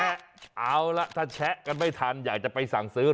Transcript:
เอาล่ะถ้าแชะกันไม่ทันอยากจะไปสั่งซื้อ